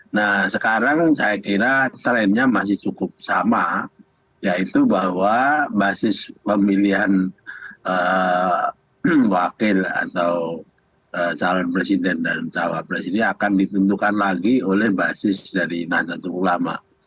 nah sekarang saya kira trennya masih cukup sama yaitu bahwa basis pemilihan wakil atau calon presiden dan cawapres ini akan ditentukan lagi oleh basis dari nahdlatul ulama